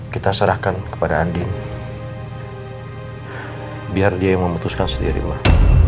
kita serahkan kepada andi biar dia yang memutuskan sendiri mah